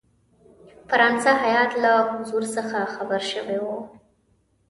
فرانسه هیات له حضور څخه خبر شوی وو.